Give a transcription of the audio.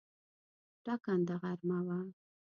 ټاکنده غرمه وه.